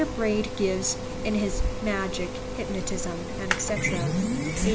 Braid gives, in his 'Magic, Hypnotism,' &c.